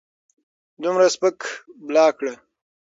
دومره سپک بلاک کړۀ